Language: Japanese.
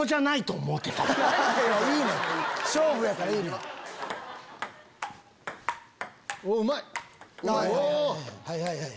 はいはいはいはい。